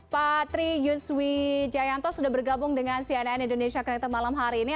pak tri yuswi jayanto sudah bergabung dengan cnn indonesia kreator malam hari ini